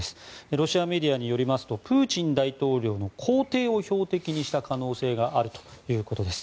ロシアメディアによりますとプーチン大統領の公邸を標的にした可能性があるということです。